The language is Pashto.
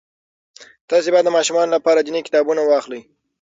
تاسې باید د ماشومانو لپاره دیني کتابونه واخلئ.